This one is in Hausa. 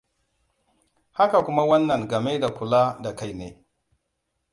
Haka kuma wannan game da kula da kaine